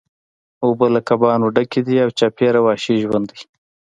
اوبه له کبانو ډکې دي او چاپیره وحشي ژوند دی